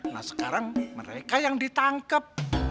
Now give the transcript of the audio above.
nah sekarang mereka yang ditangkap